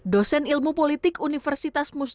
dosen ilmu politik universitas mustahil